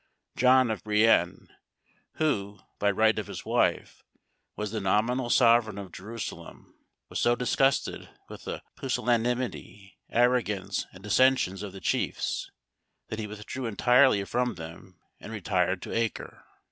John of Brienne, who, by right of his wife, was the nominal sovereign of Jerusalem, was so disgusted with the pusillanimity, arrogance, and dissensions of the chiefs, that he withdrew entirely from them and retired to Acre.